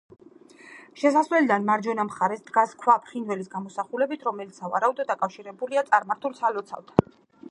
შესასვლელიდან მარჯვენა მხარეს დგას ქვა ფრინველის გამოსახულებით, რომელიც სავარაუდოდ დაკავშირებულია წარმართულ სალოცავთან.